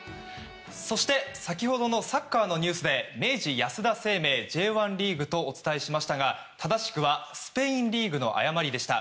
そして、先ほどのサッカーのニュースで明治安田生命Ｊ１リーグとお伝えしましたが正しくはスペインリーグの誤りでした。